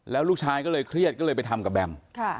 แล้วลูกชายก็เลยเครียดก็เลยไปทำกับแบม